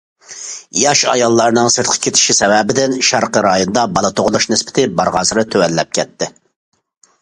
ياش ئاياللارنىڭ سىرتقا كېتىشى سەۋەبىدىن، شەرقىي رايوندا بالا تۇغۇلۇش نىسبىتى بارغانسېرى تۆۋەنلەپ كەتتى.